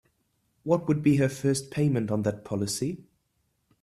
What would be her first payment on that policy?